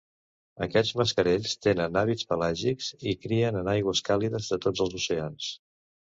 Aquests mascarells tenen hàbits pelàgics i crien en aigües càlides de tots els oceans.